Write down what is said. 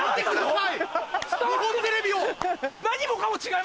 おい！